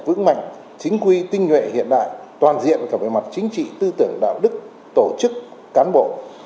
vững mạnh chính quy tinh nhuệ hiện đại toàn diện cả về mặt chính trị tư tưởng đạo đức tổ chức cán bộ